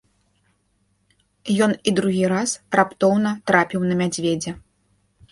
Ён і другі раз раптоўна трапіў на мядзведзя.